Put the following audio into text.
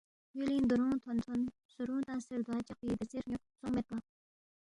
یولینگ دورونگ تھون تھون سرونگ تنگسے ردوا چقپی دیژے ہرنیوخ سونگ مید پہ